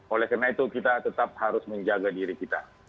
oleh karena itu kita tetap harus menjaga diri kita